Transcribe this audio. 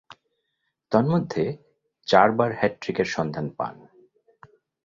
তন্মধ্যে, চারবার হ্যাট্রিকের সন্ধান পান।